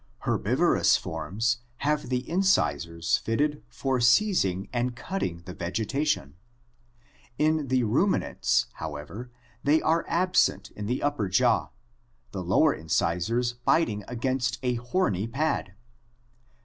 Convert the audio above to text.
Herbivorous forms have the incisors fitted for seizing and cutting the vegetation. In the ruminants, however, they are absent in the upper jaw, the lower incisors biting against a horny pad.